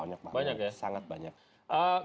banyak banyak sangat banyak